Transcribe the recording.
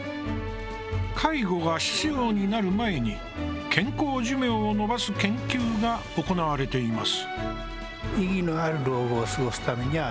介護が必要になる前に健康寿命を延ばす研究が行われています。